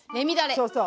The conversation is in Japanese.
そうそう。